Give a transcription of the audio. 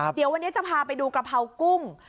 เดี๋ยววันนี้จะพาไปดูกะเพรากุ้ง